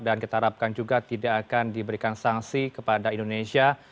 dan kita harapkan juga tidak akan diberikan sanksi kepada indonesia